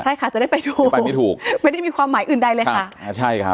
ใช่ค่ะจะได้ไปถูกไม่ได้มีความหมายอื่นใดเลยค่ะ